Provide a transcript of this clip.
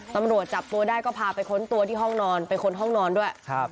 ตำรวจจับตัวได้ก็พาไปค้นตัวที่ห้องนอนไปค้นห้องนอนด้วยครับ